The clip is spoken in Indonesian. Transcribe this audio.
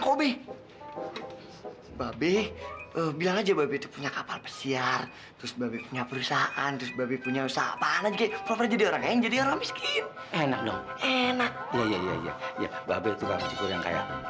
kok gak ada musyola dimana lagi dong